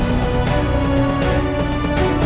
bukan doang keco